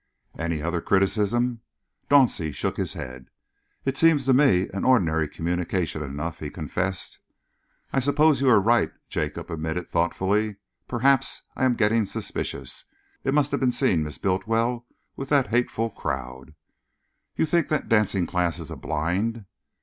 "Any other criticism?" Dauncey shook his head. "It seems to me an ordinary communication enough," he confessed. "I suppose you are right," Jacob admitted thoughtfully. "Perhaps I am getting suspicious. It must have been seeing Miss Bultiwell with that hateful crowd." "You think that the dancing class is a blind?"